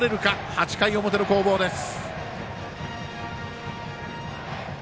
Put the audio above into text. ８回表の攻防です。